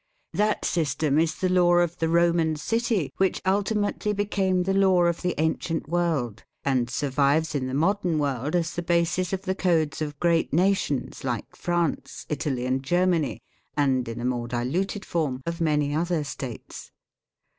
That system is the law of the Roman city which ultimately became the law of the ancient world^ and survives in the modern world as the basis of the codes of great nations like France, Italy, and Germany, and, in a more diluted form, of many other states.